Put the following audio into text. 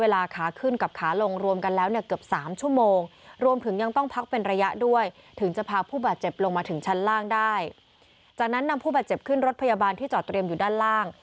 และนำผู้บาดเจ็บขึ้นรถพยาบาลที่จอดเตรียมอยู่ด้านล่าง